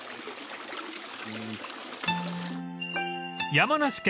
［山梨県